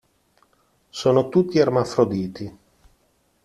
Sono tutti ermafroditi.